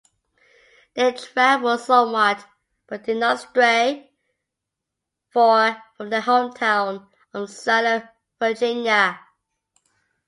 They traveled somewhat but did not stray far from their hometown of Salem, Virginia.